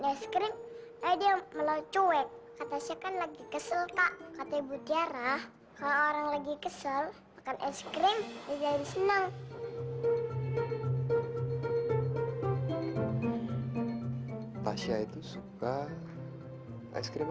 sejarah kalau orang lagi kesel makan es krim jadi senang pas yaitu suka es krim apa